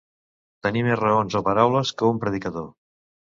Tenir més raons o paraules que un predicador.